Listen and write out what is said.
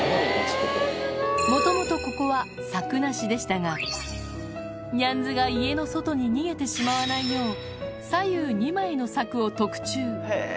もともとここは柵なしでしたが、ニャンズが家の外に逃げてしまわないよう、左右２枚の柵を特注。